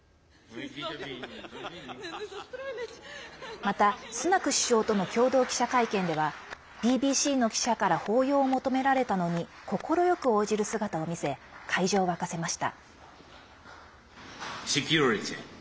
また、スナク首相との共同記者会見ではＢＢＣの記者から抱擁を求められたのに快く応じる姿を見せ会場を沸かせました。